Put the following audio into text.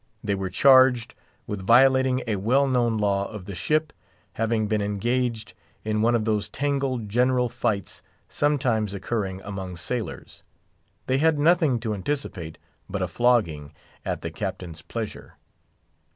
They were charged with violating a well known law of the ship—having been engaged in one of those tangled, general fights sometimes occurring among sailors. They had nothing to anticipate but a flogging, at the captain's pleasure.